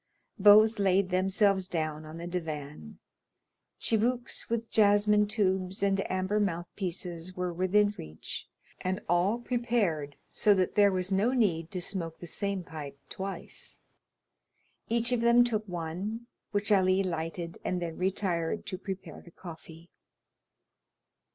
Both laid themselves down on the divan; chibouques with jasmine tubes and amber mouthpieces were within reach, and all prepared so that there was no need to smoke the same pipe twice. Each of them took one, which Ali lighted and then retired to prepare the coffee.